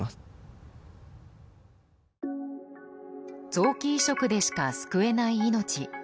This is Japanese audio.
臓器移植でしか救えない命。